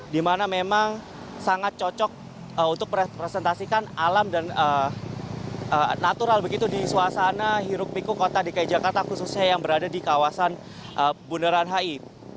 di mana memang sangat cocok untuk merepresentasikan alam dan natural begitu di suasana hiruk piku kota dki jakarta khususnya yang berada di kawasan bundaran hi